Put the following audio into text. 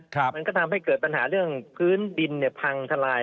มันก็ทำให้เกิดปัญหาเรื่องพื้นดินเนี่ยพังทลาย